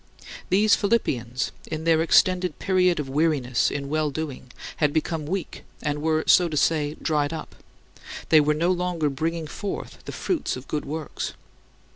These Philippians, in their extended period of weariness in well doing, had become weak and were, so to say, dried up; they were no longer bringing forth the fruits of good works.